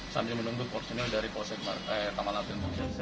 sambil menuntut porsional dari polsek tamalate